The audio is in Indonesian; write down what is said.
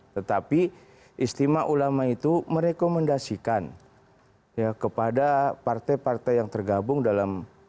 tetapi istimewa ulama itu merekomendasikan kepada partai partai yang tergabung dalam